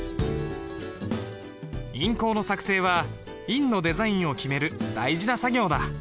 印稿の作成は印のデザインを決める大事な作業だ。